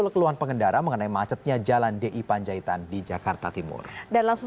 keluhan pengendara mengenai macetnya jalan di panjaitan di jakarta timur dan langsung